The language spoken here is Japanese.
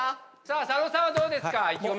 佐野さんはどうですか？